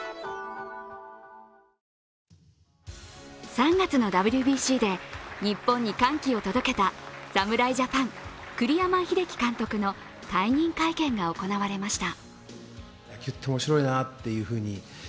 ３月のＷＢＣで日本に歓喜を届けた侍ジャパン・栗山英樹監督の退任会見が行われました。